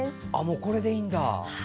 これでいいんだ。